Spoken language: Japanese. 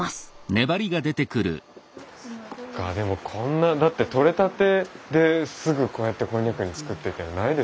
でもこんなだってとれたてですぐこうやってこんにゃくに作ってっていうのないですもんね。